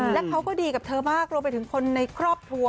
และเขาก็ดีกับเธอมากรวมไปถึงคนในครอบครัว